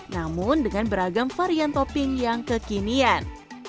namun dengan beragam varian topping yang kekinian